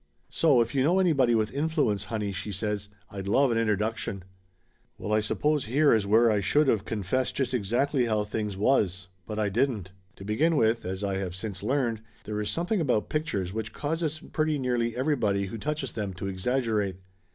"So if you: know anybody with influence, honey," she says, "I'd love an introduction." Well, I suppose here is where I should of confessed just exactly how things was. But I didn't. To begin with, as I have since learned, there is something about pictures which causes pretty nearly everybody who touches them to exaggerate.